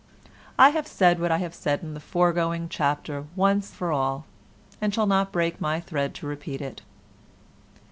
I have said what I have said in the foregoing chapter once for all, and shall not break my thread to repeat it.